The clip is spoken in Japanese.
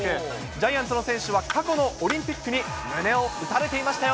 ジャイアンツの選手は過去のオリンピックに胸を打たれていましたよ。